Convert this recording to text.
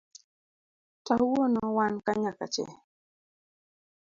Tawuono wanka nyaka che.